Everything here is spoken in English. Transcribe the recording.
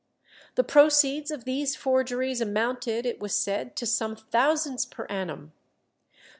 The proceeds of these forgeries amounted, it was said, to some thousands per annum.